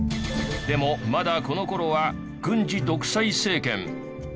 でもまだこの頃は軍事独裁政権。